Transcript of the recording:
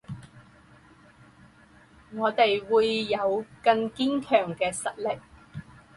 我们会有更坚强的实力